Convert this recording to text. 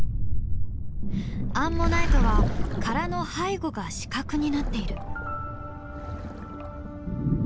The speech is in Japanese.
アンモナイトは殻の背後が死角になっている。